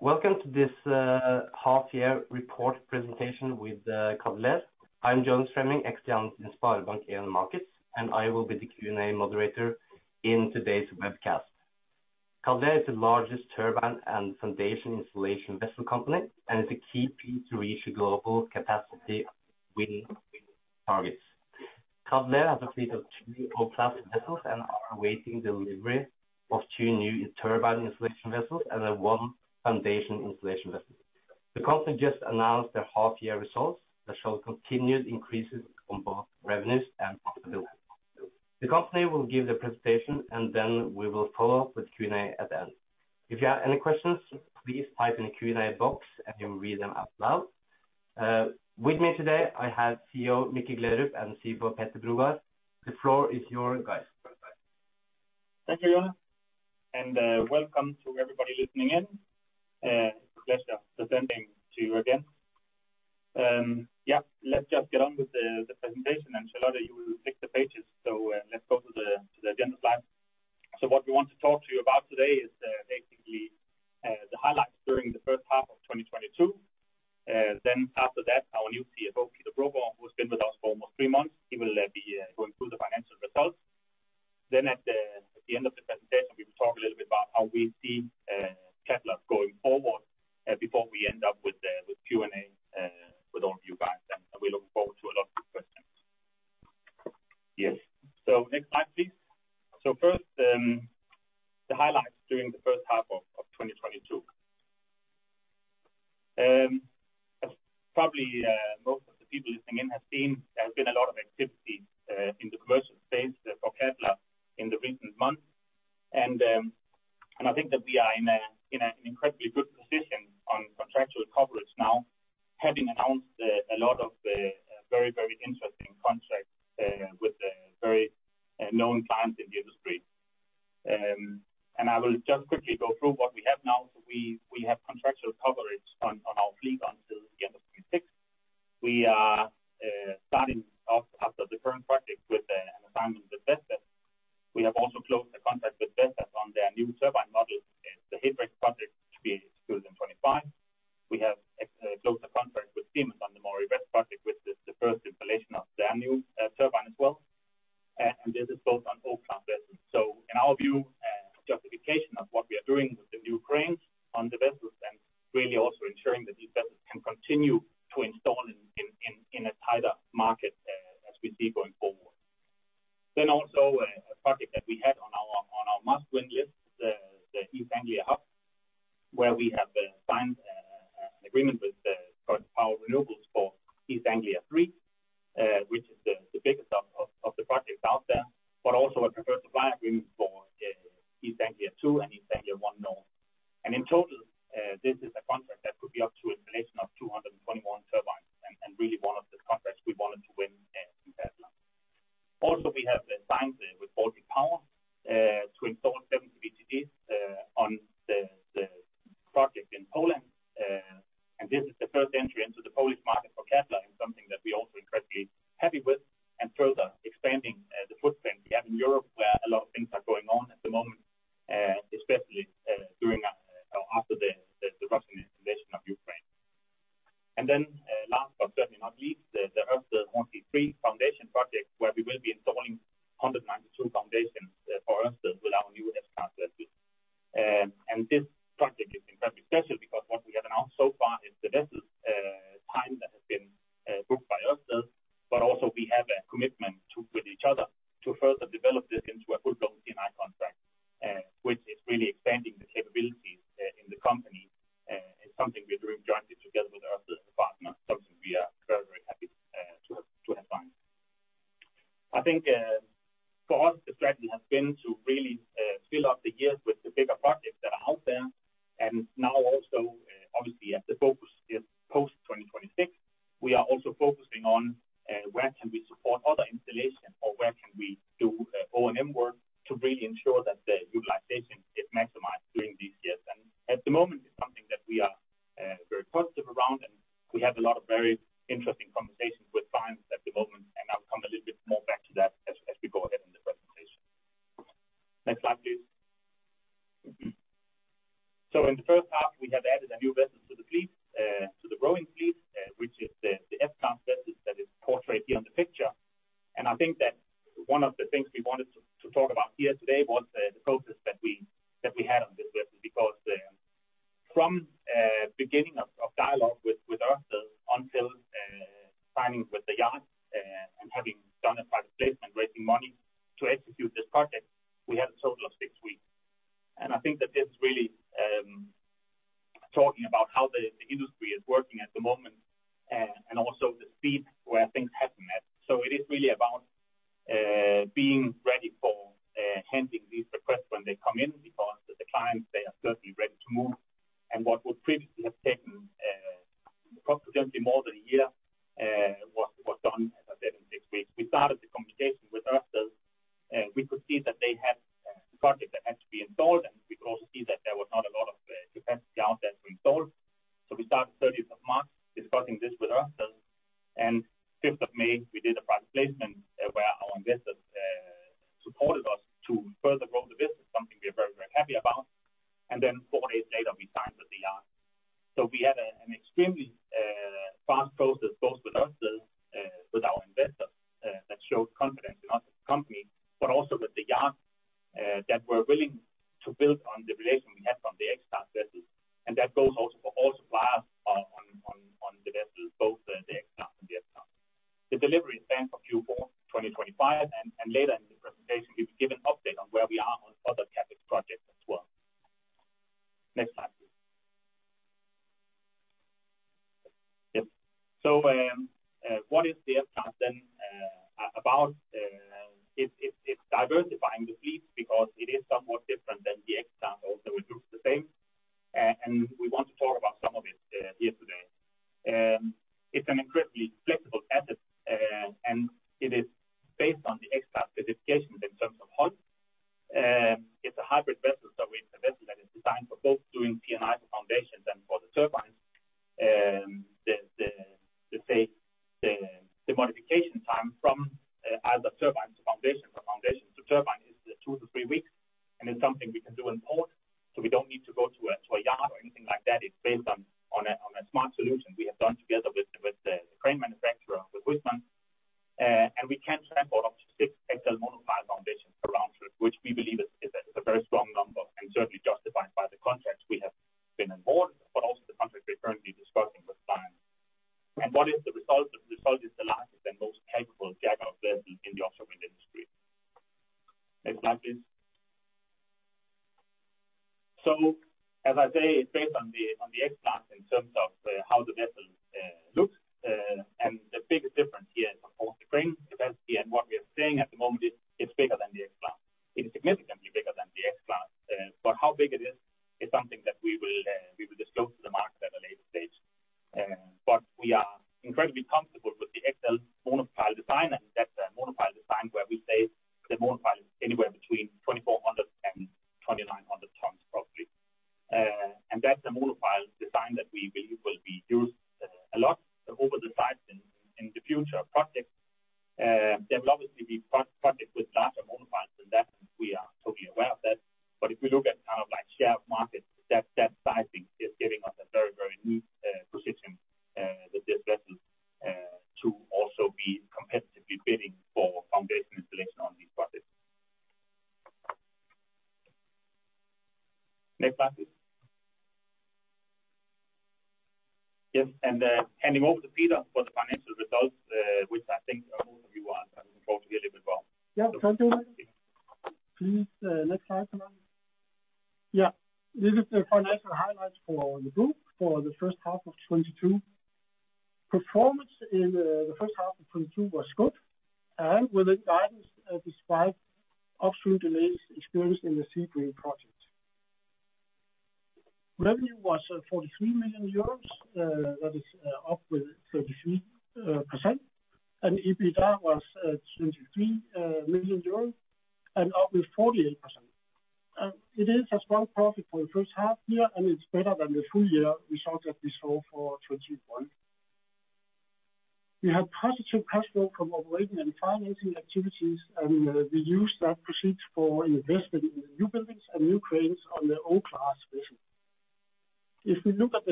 Welcome to this half year report presentation with Cadeler. I'm Jonas Fremming, equity analyst in SpareBank 1 Markets, and I will be the Q&A moderator in today's webcast. Cadeler is the largest turbine and foundation installation vessel company, and is a key piece to reach global capacity wind targets. Cadeler has a fleet of three O-class vessels and are awaiting delivery of two new turbine installation vessels and one foundation installation vessel. The company just announced their half year results that show continued increases on both revenues and profitability. The company will give their presentation, and then we will follow up with Q&A at the end. If you have any questions, please type in the Q&A box and we'll read them out loud. With me today, I have CEO Mikkel Gleerup and CFO Peter Brogaard Hansen. The floor is yours, guys. Thank you, Jonas, and welcome to everybody listening in. It's a pleasure presenting to you again. Let's just get on with the presentation, and Charlotta, you will flick the pages. Let's go to the agenda slide. What we want to talk to you about today is basically the highlights during the first half of 2022. Then after that, our new CFO, Peter Brogaard, who has been with us for almost three months, he will be going through the financial results. Then at the end of the presentation, we will talk a little bit about how we see Cadeler going forward before we end up with Q&A with all of you guys. We look forward to a lot of good questions. Yes. Next slide, please.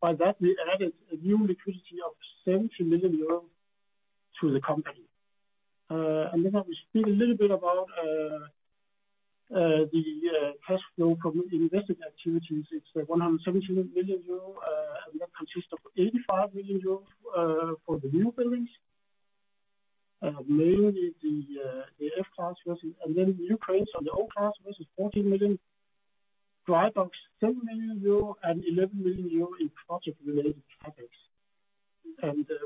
by that we added a new liquidity of 70 million euros to the company. I will speak a little bit about the cash flow from investing activities. It's 170 million euro, and that consists of 85 million euro for the new buildings, mainly the F-class vessels. The new cranes on the O-class vessels, 14 million. Dry docks, 7 million euro, and 11 million euro in project-related CapEx.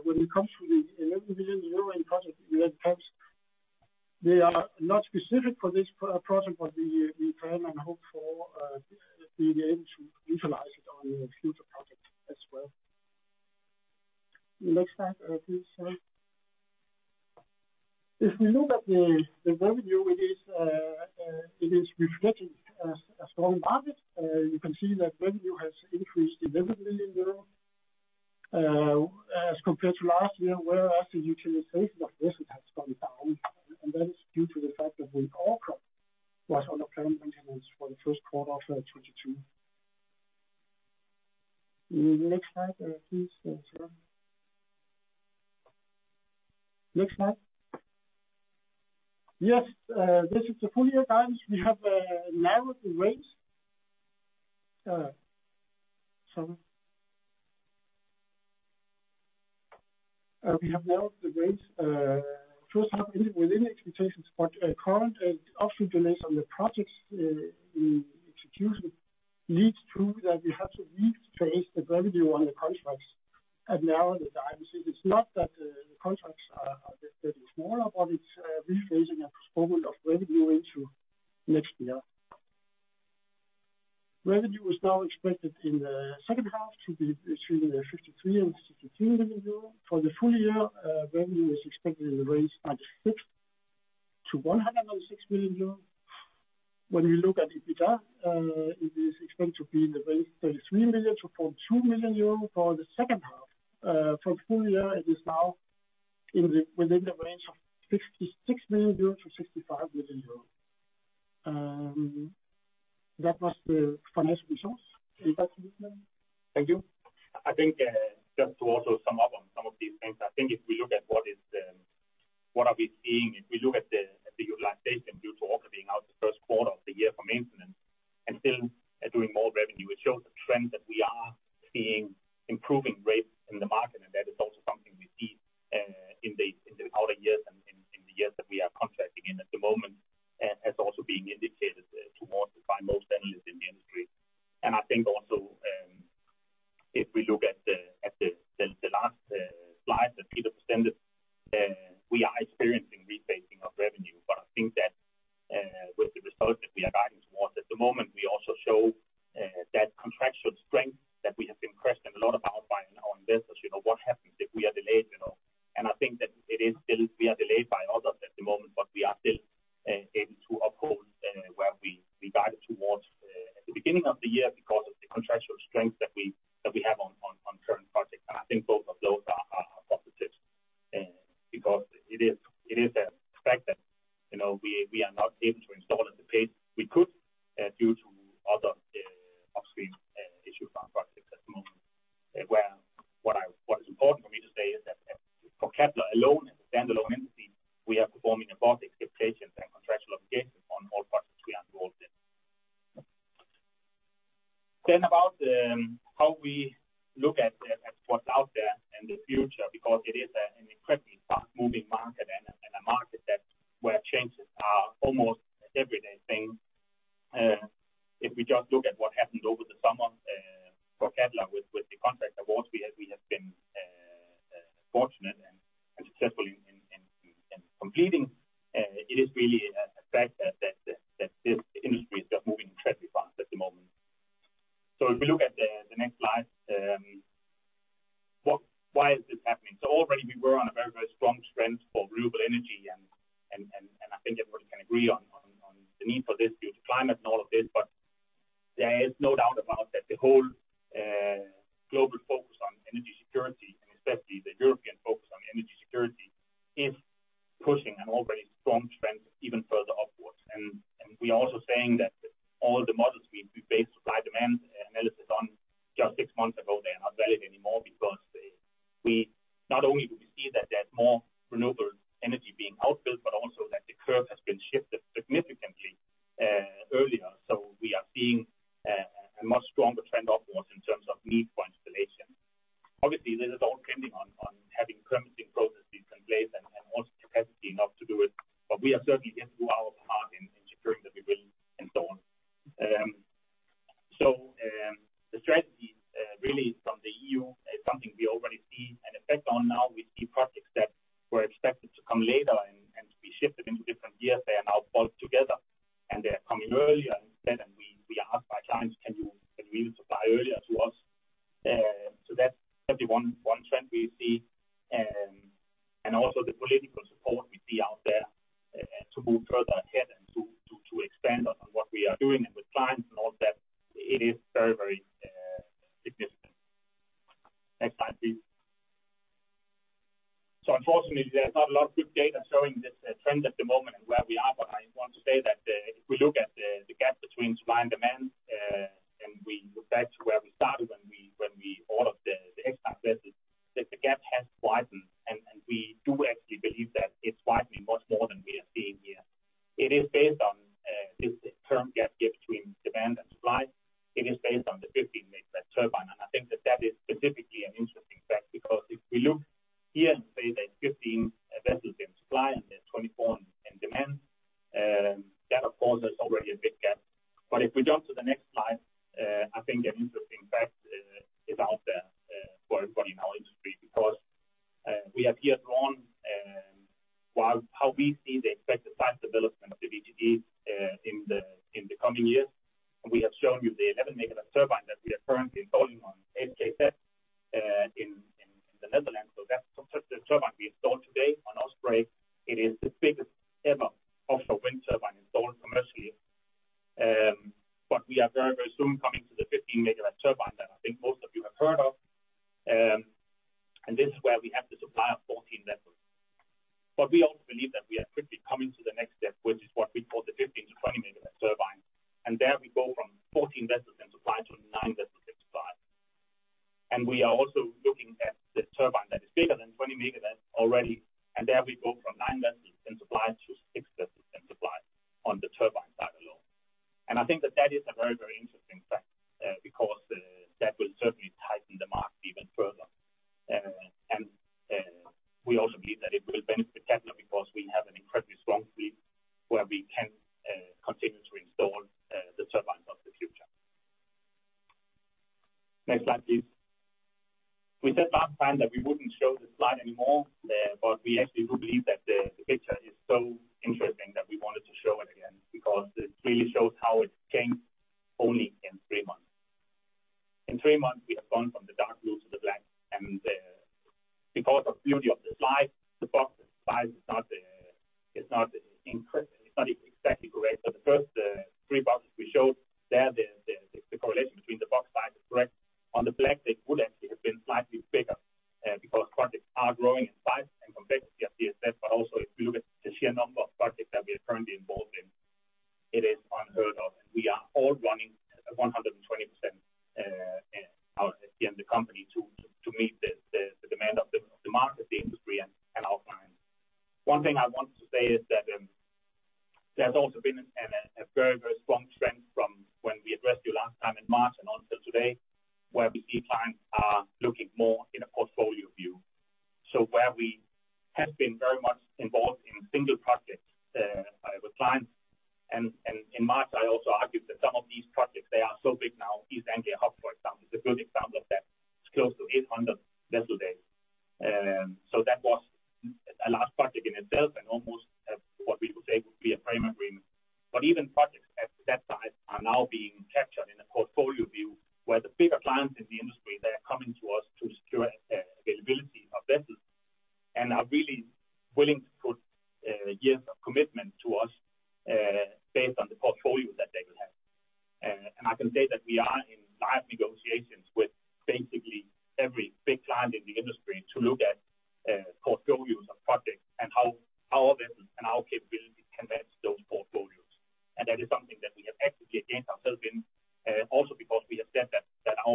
When it comes to the 11 million euro in project-related CapEx, they are not specific for this project, but we plan and hope for being able to utilize it on future projects as well. Next slide, please. If we look at the revenue, it is reflecting a strong market. You can see that revenue has increased 11 million euros as compared to last year, whereas the utilization of vessels has gone down. That is due to the fact that the Orca was on a planned maintenance for the first quarter of 2022. Next slide, please, Jonas. Next slide. Yes, this is the full-year guidance. We have narrowed the range. Sorry. We have narrowed the range, first half within expectations, but current offshore delays on the projects in execution leads to that we have to rephase the revenue on the contracts. To narrow the guidance, it is not that the contracts are getting smaller, but it's rephasing and postponement of revenue into next year. Revenue is now expected in the second half to be between 53 million euro and EUR 62 million. For the full year, revenue is expected in the range 96 million-106 million euro. When we look at EBITDA, it is expected to be in the range 33 million-42 million euro for the second half. For full year, it is now within the range of 66 million-65 million euro. That was the financial results. Any questions now? Thank you. I think, just to also sum up on some of these things, I think if we look at what we are seeing, if we look at the utilization due to also being out the first quarter of the year for maintenance and still doing more revenue, it shows a trend that we are seeing improving rates in the market. That is also something we see in the outer years and in the years that we are contracting in at the moment, as also being indicated by most analysts in the industry. I think also, if we look at the last slide that Peter presented, we are experiencing rebasing of revenue. I think that with the results that we are guiding towards at the moment, we also show that contractual strength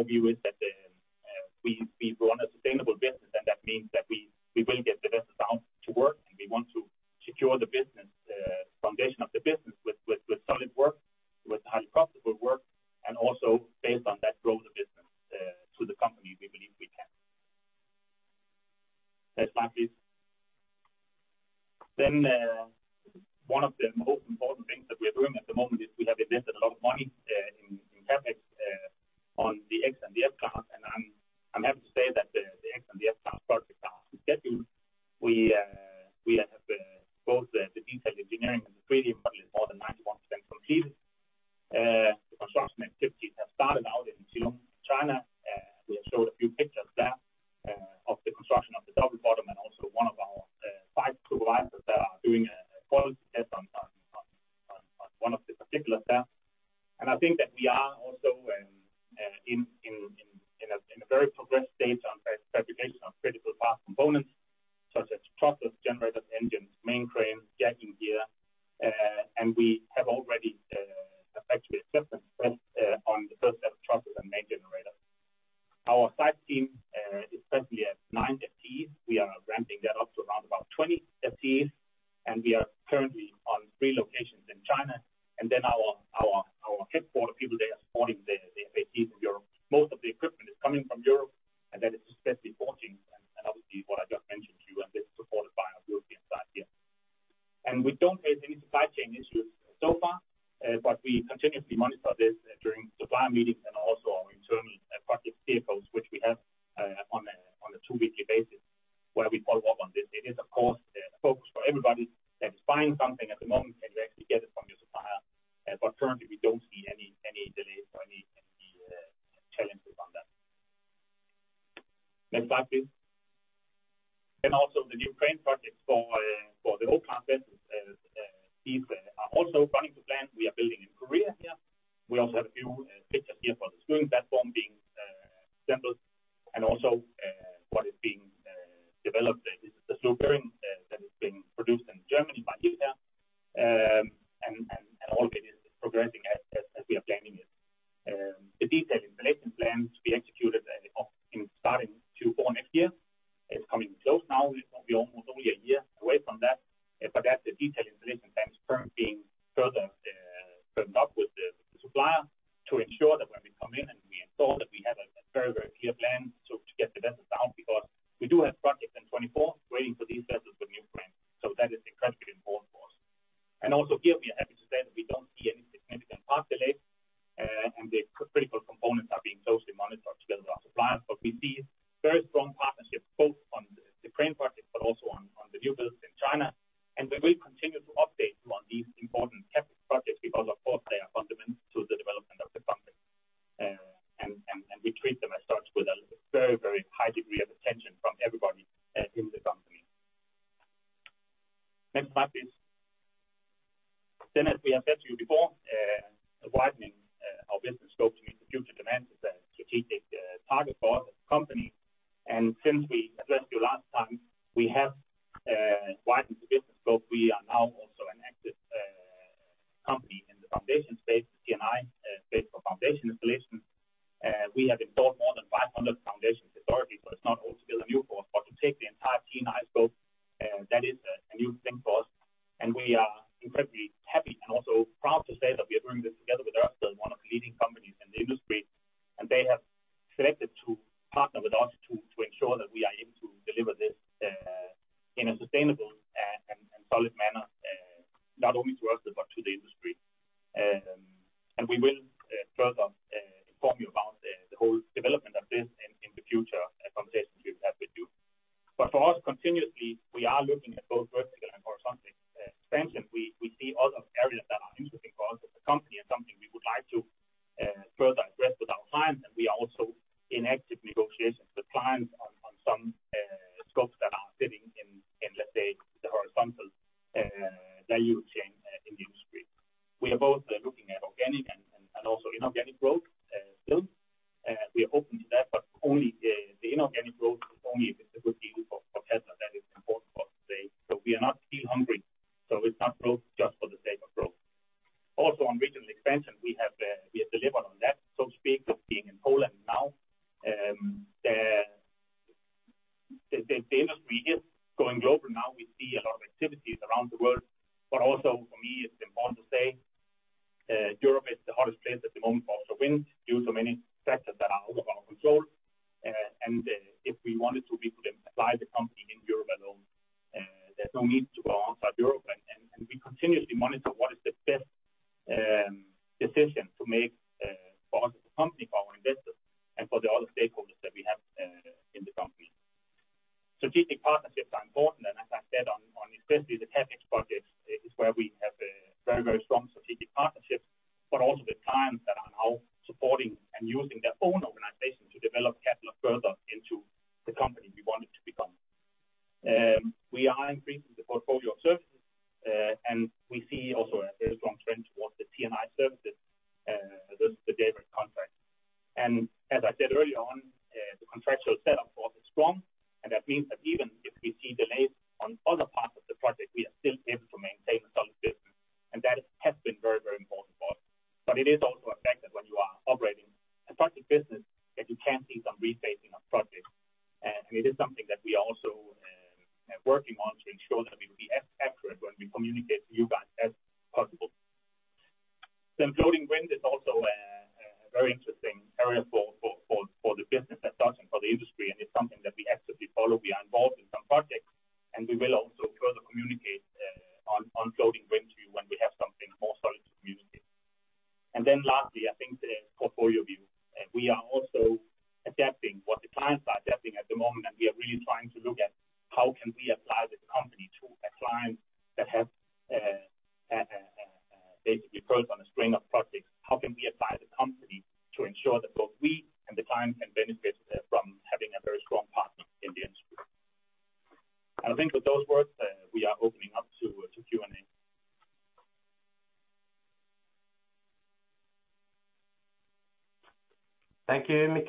view is that we run a sustainable business, that is a new thing for us, and we are incredibly happy and also proud to say that we are doing this together with ArcelorMittal, one of the leading companies in the industry. They have selected to partner with us to ensure that we are able to deliver this in a sustainable and solid manner, not only to us but to the industry. We will further inform you about the whole development of this in the future as conversations we will have with you. For us continuously, we are looking at both vertical and horizontal expansion. We see other areas that are interesting for us as a company and something we would like to further address with our clients. We are also in active negotiations with clients on some scopes that are sitting in, let's say, the horizontal value chain in the industry. We are both looking at organic and also inorganic growth still. We are open to that, but only the inorganic growth is only if it's a good deal for Cadeler. That is important for us to say. We are not still hungry, so it's not growth just for the sake of growth. Also on regional expansion, we have delivered on that, so to speak, of being in Poland now. The industry is going global now. We see a lot of activities around the world, but also for me it's important to say, Europe is the hardest place at the moment for offshore wind due to many factors that are out of our control. If we wanted to, we could apply the company in Europe alone. There's no need to go outside Europe and we continuously monitor what is the best decision to make for us as a company, for our investors and for the other stakeholders that we have in the company. Strategic partnerships are important, and as I said especially the CapEx projects is where we have a very, very strong strategic partnerships, but also the clients that are now supporting and using their own organization to develop Cadeler further into the company we want it to become. We are increasing the portfolio of services, and we see also a very strong trend towards the T&I services, those are the day rate contracts. As I said earlier on, the contractual setup for us is strong, and that means that even if we see delays on other parts of the project, we are still able to maintain a solid business. That has been very, very important for us. It is also a fact that when you are operating a project business that you can see some rephasing of projects. It is something that we also are working on to ensure that we will be as accurate when we communicate to you guys as possible. The floating wind is also a very interesting area for the business as such and for the industry, and it's something that we actively follow. We are involved in some projects, and we will also further communicate on floating wind to you when we have something more solid to communicate. Lastly, I think the portfolio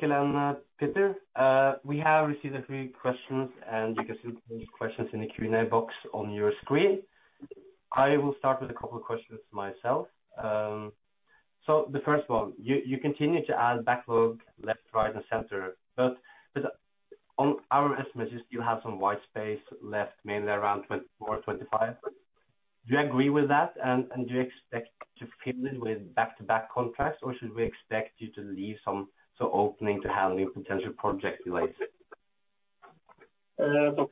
view. We are also adapting what the clients are adapting at the moment, and we are really trying to look at how can we apply the company to a client that has basically focused on a string of projects. How can we apply the company to ensure that both we and the client can benefit from having a very strong partner in the industry? I think with those words, we are opening up to Q&A. Thank you, Mikkel and Peter. We have received a few questions, and you can see these questions in the Q&A box on your screen. I will start with a couple of questions myself. The first one, you continue to add backlog left, right, and center, but on our estimates, you still have some white space left, mainly around 2024, 2025. Do you agree with that and do you expect to fill it with back-to-back contracts, or should we expect you to leave some opening to handling potential project delays? First and foremost, I do not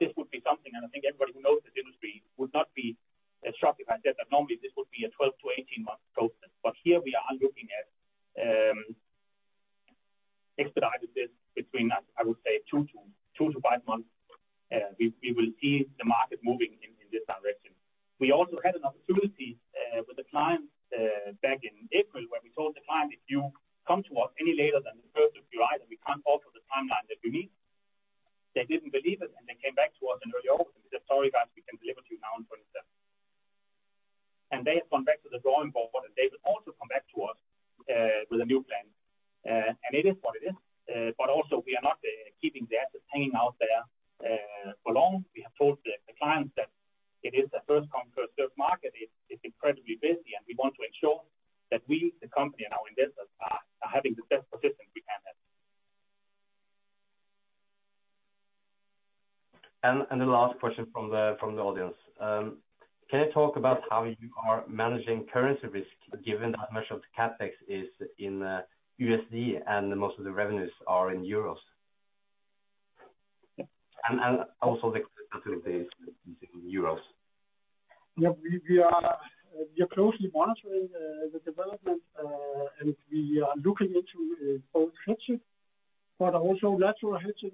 this would be something, and I think everybody who knows this industry would not be as shocked if I said that normally this would be a 12-18-month process. Here we are looking at expedited this between, I would say, 2-5 months. We will see the market moving in this direction. We also had an opportunity with a client back in April, where we told the client, "If you come to us any later than the first of July, then we can't offer the timeline that you need." They didn't believe us, and they came back to us in early August and said, "Sorry guys, we can deliver to you now in 2027." They have gone back to the drawing board, and they will also come back to us with a new plan. It is what it is. But also we are not keeping the assets hanging out there for long. We have told the clients that it is a first come, first serve market. It's incredibly busy, and we want to ensure that we, the company and our investors are having the best positions we can have. The last question from the audience. Can you talk about how you are managing currency risk given that much of the CapEx is in USD and most of the revenues are in euros? Also the facilities is in euros. Yeah. We are closely monitoring the development and we are looking into both hedging but also natural hedging.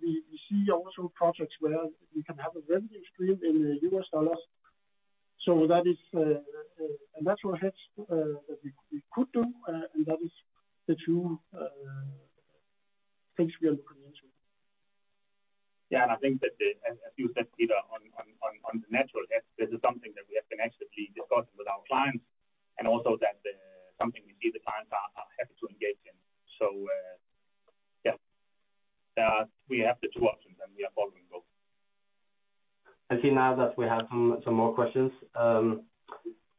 We see also projects where we can have a revenue stream in US dollars. That is a natural hedge that we could do and that is the two things we are looking into. Yeah. I think that, as you said, Peter, on the natural hedge, this is something that we have been actively discussing with our clients and also that something we see the clients are happy to engage in. Yeah. We have the two options, and we are following both. I see now that we have some more questions.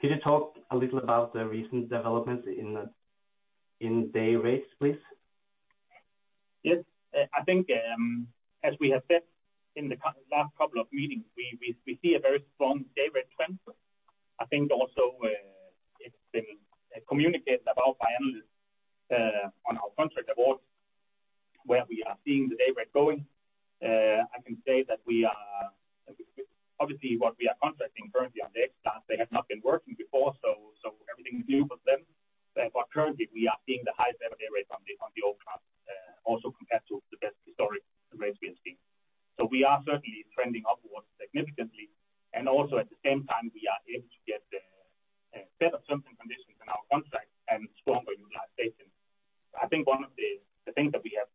Could you talk a little about the recent developments in day rates, please? Yes. I think, as we have said in the last couple of meetings, we see a very strong day rate trend. I think also, it's been communicated about by analysts on our contract awards where we are seeing the day rate going. I can say that we are obviously what we are contracting currently on the X-class, they have not been working before, so everything is new for them. But currently we are seeing the highest ever day rate on the O-class, also compared to the best historic rates we have seen. We are certainly trending upwards significantly, and also at the same time we are able to get better terms and conditions in our contracts and stronger utilization. I think one of the things that we have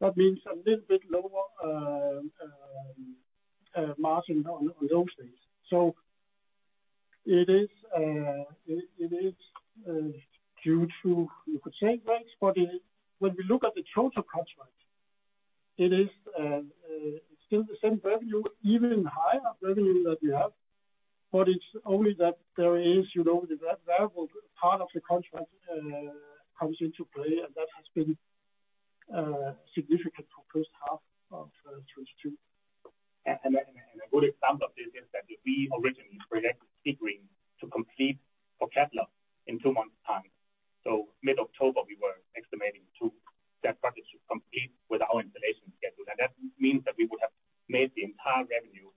that means a little bit lower margin on those days. It is due to, you could say rates, but when we look at the total contract, it is still the same revenue, even higher revenue that we have. It's only that there is, you know, the available part of the contract comes into play, and that has been significant for first half of 2022. A good example of this is that we originally were seeking to complete for Baltic Power in two months' time. Mid-October, we were estimating that project to complete with our installation schedule. That means that we would have made the entire revenue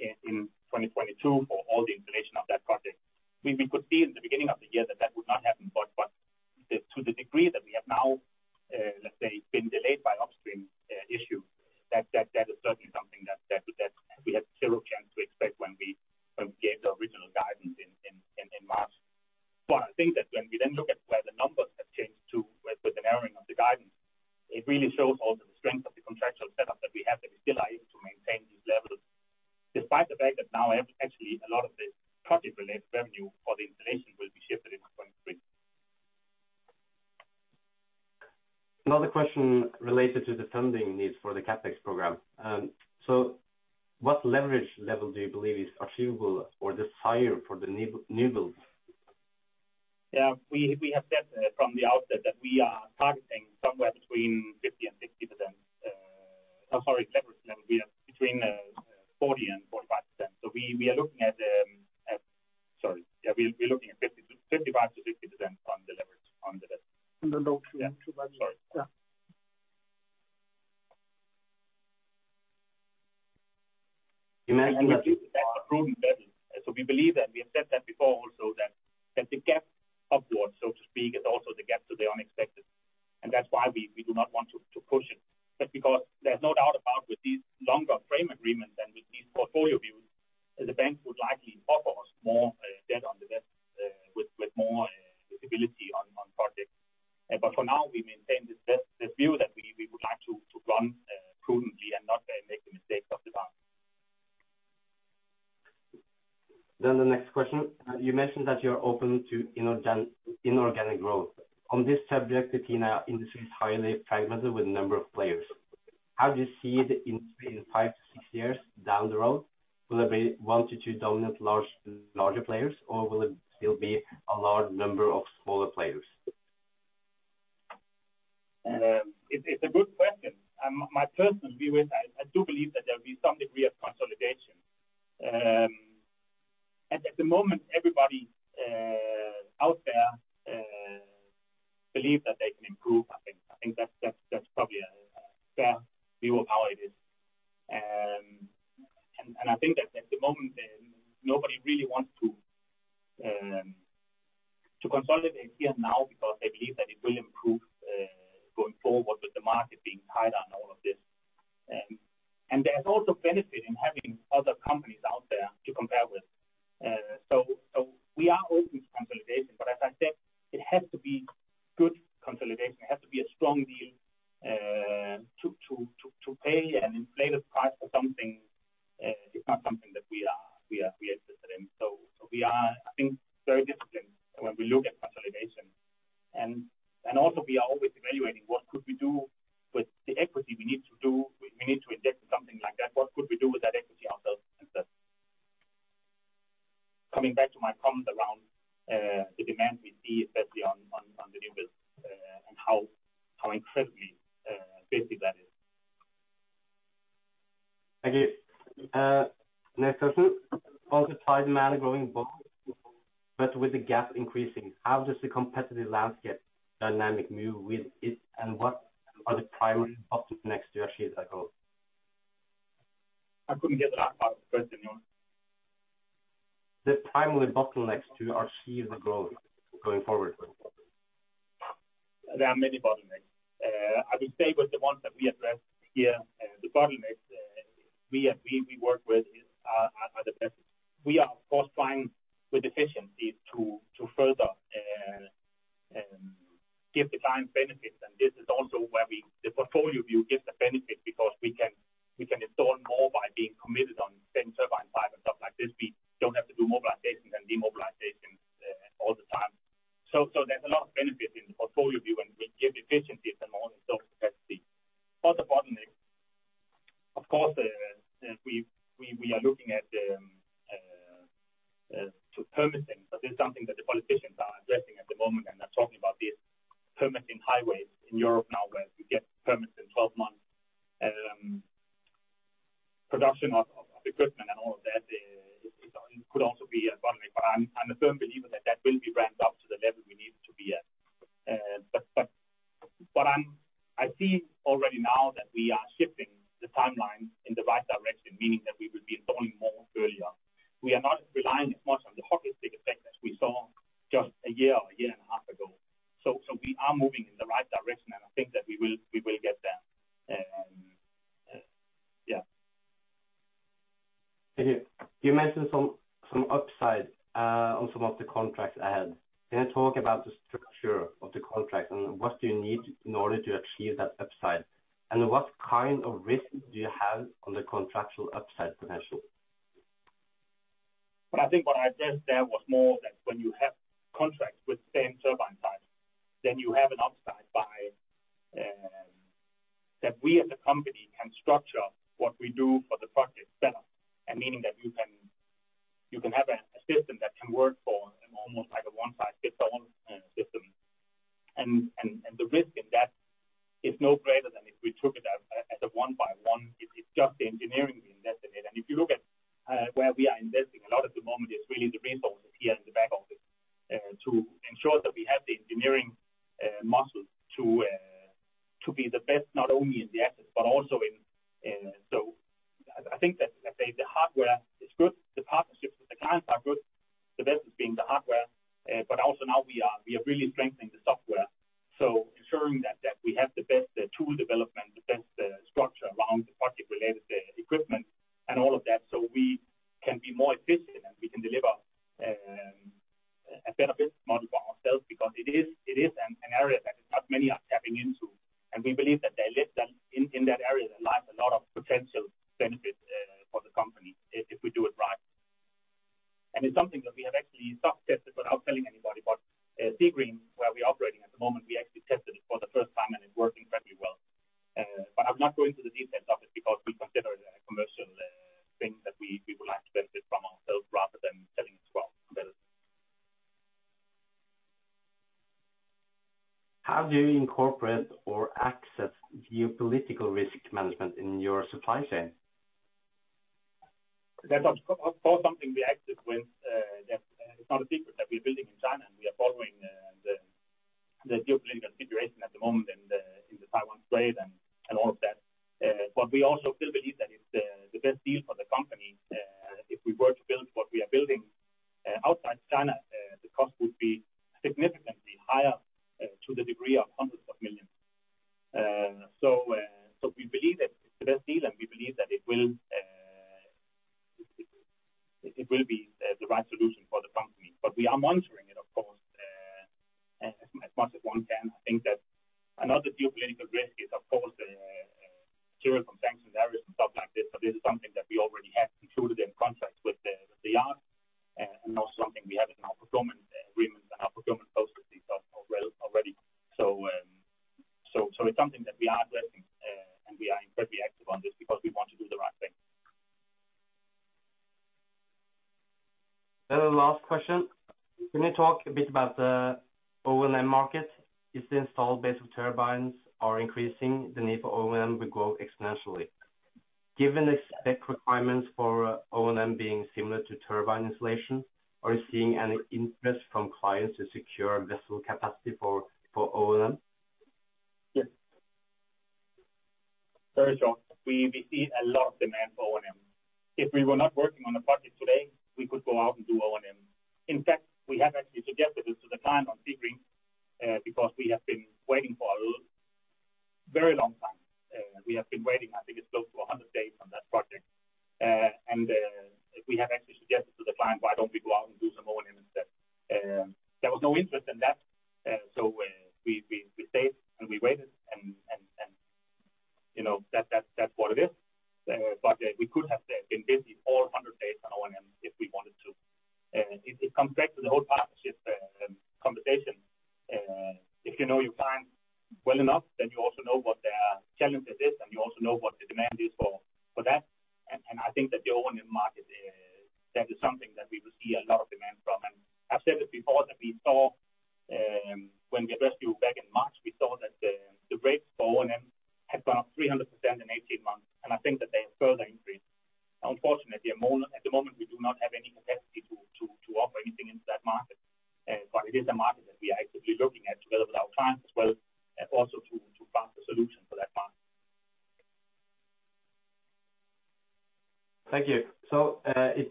in 2022 for all the installation of that project. We could see in the beginning of the year that would not happen, but to the degree that we have now, let's say, been delayed by upstream issue, that is certainly something that we had zero chance to expect when we gave the original guidance in March. I think that when we then look at where the numbers have changed to with the narrowing of the guidance, it really shows also the strength of the contractual setup that we have, that we still are able to maintain these levels despite the fact that now actually a lot of this project-related revenue for the installation will be shifted into 2023. Another question related to the funding needs for the CapEx program. What leverage level do you believe is achievable or desired for the newbuilds? We have said from the outset that we are targeting somewhere between 50% and 60%. Leverage level will be between 40% and 45%. We're looking at 55%-60% on the leverage on the debt. On the loan facility. Yeah. Sorry. Yeah. The next question. That's a prudent level. We believe that we have said that before also that the gap upwards, so to speak, is also the gap to the unexpected. That's why we do not want to push it. Because there's no doubt with these longer frame agreements and with these portfolio views, the banks would likely offer us more debt with more visibility on projects. For now, we maintain this view that we would like to run prudently and not make the mistakes of the past. The next question. You mentioned that you're open to inorganic growth. On this subject, the WTIV industry is highly fragmented with a number of players. How do you see the industry in 5-6 years down the road? Will there be 1-2 dominant large, larger players, or will it still be a large number of smaller players? It's a good question. My personal view is I do believe that there'll be some degree of consolidation. At the moment, everybody out there believe that they can improve. I think that's probably a fair view of how it is. I think that at the moment, nobody really wants to consolidate here now because they believe that it will improve going forward with the market being tight on all of this. There's also benefit in having other companies and stuff